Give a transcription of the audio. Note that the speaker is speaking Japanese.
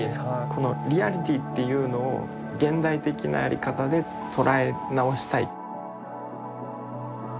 このリアリティーっていうのを現代的なやり方でとらえ直したい。